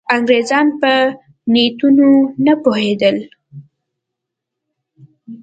انګرېزان په نیتونو نه پوهېدل.